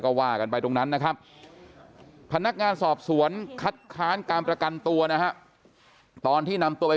ก็ว่ากันไปตรงนั้นนะครับพนักงานสอบสวนคัดค้านการประกันตัวนะฮะตอนที่นำตัวไป